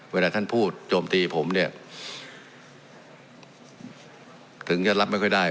เวลาท่านพูดโจมตีผมเนี่ยถึงจะรับไม่ค่อยได้